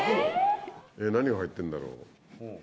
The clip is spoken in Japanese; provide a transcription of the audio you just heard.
えっ何が入ってんだろう？